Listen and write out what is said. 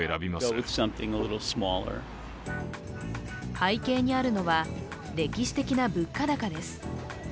背景にあるのは歴史的な物価高です。